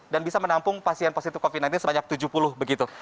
dan bisa menampung pasien positif covid sembilan belas sebanyak tujuh puluh begitu